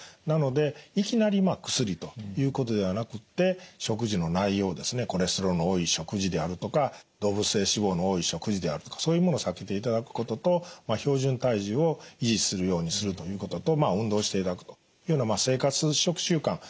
なのでいきなり薬ということではなくって食事の内容ですねコレステロールの多い食事であるとか動物性脂肪の多い食事であるとかそういうものを避けていただくことと標準体重を維持するようにするということと運動していただくというような生活食習慣